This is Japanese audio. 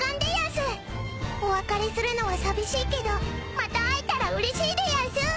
お別れするのは寂しいけどまた会えたらうれしいでやんす。